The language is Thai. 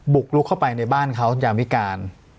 บุกลุกเข้าไปในบ้านเขายามวิการ